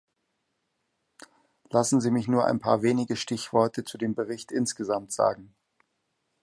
Lassen Sie mich nur ein paar wenige Stichworte zu dem Bericht insgesamt sagen.